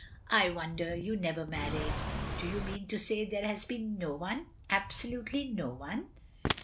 I wonder you never married. Do you mean to say there has been no one — ^absolutely no one?"